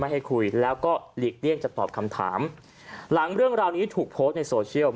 ให้คุยแล้วก็หลีกเลี่ยงจะตอบคำถามหลังเรื่องราวนี้ถูกโพสต์ในโซเชียล